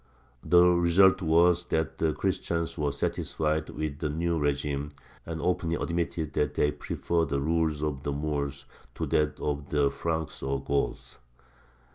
The result was that the Christians were satisfied with the new régime, and openly admitted that they preferred the rule of the Moors to that of the Franks or Goths.